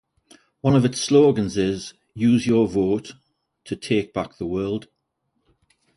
One of its slogans is Use Your Vote to Take Back the World!